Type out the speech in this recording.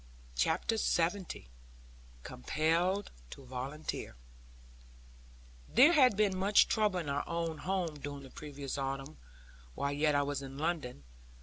CHAPTER LXX COMPELLED TO VOLUNTEER There had been some trouble in our own home during the previous autumn, while yet I was in London.